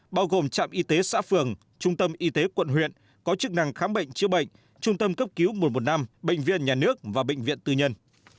bao gồm trạm y tế xã phường trung tâm y tế quận huyện có chức năng khám bệnh chữa bệnh trung tâm cấp cứu một trăm một mươi năm bệnh viện nhà nước và bệnh viện tư nhân